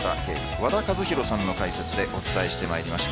和田一浩さんの解説でお伝えしました。